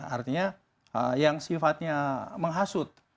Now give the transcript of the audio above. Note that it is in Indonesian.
artinya yang sifatnya menghasut